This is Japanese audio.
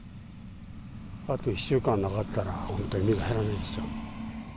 あと１週間なかったら、本当に実が入らないですよ。